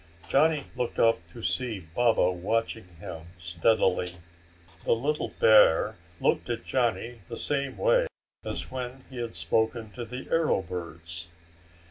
Johnny looked up to see Baba watching him steadily. The little bear looked at Johnny the same way as when he had spoken to the arrow birds.